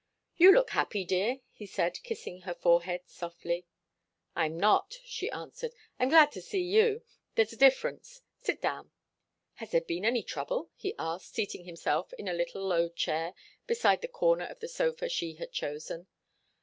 "You look happy, dear," he said, kissing her forehead softly. "I'm not," she answered. "I'm glad to see you. There's a difference. Sit down." "Has there been any trouble?" he asked, seating himself in a little low chair beside the corner of the sofa she had chosen.